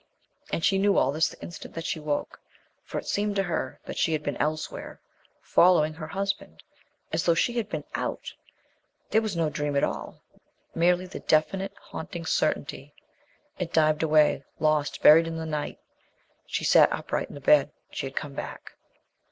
And she knew all this the instant that she woke; for it seemed to her that she had been elsewhere following her husband as though she had been out! There was no dream at all, merely the definite, haunting certainty. It dived away, lost, buried in the night. She sat upright in bed. She had come back.